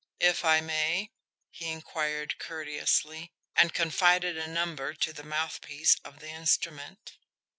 "If I may?" he inquired courteously and confided a number to the mouthpiece of the instrument.